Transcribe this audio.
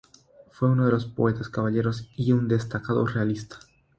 Fue uno de los poetas caballeros y un destacado realista.